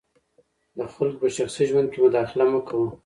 د خلګو په شخصي ژوند کي مداخله مه کوه.